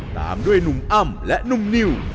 ตามด้วยหนุ่มอัมและหนุ่มเนี่ยว